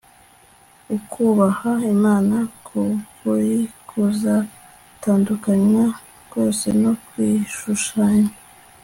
Ukubaha Imana kukuri kuzatandukanywa rwose no kwishushanya